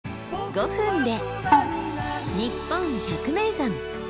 ５分で「にっぽん百名山」。